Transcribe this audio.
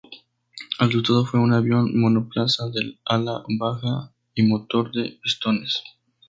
El resultado fue un avión monoplaza de ala baja y motor de pistones.